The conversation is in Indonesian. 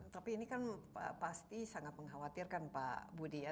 tapi ini kan pasti sangat mengkhawatirkan pak budi ya